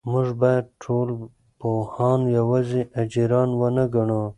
موږ باید ټولنپوهان یوازې اجیران ونه ګڼو.